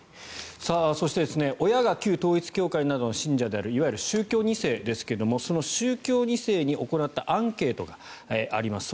そして親が旧統一教会などの信者であるいわゆる宗教２世ですがその宗教２世に行ったアンケートがあります。